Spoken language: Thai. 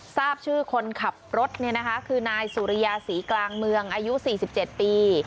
ทราบชื่อคนขับรถเนี่ยนะคะคือนายสุริยาศรีกลางเมืองอายุสี่สิบเจ็ดปี